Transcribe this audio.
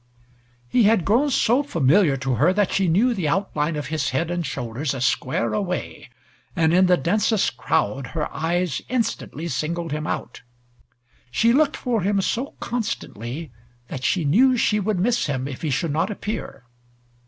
He had grown so familiar to her that she knew the outline of his head and shoulders a square away, and in the densest crowd her eyes instantly singled him out. She looked for him so constantly that she knew she would miss him if he should not appear.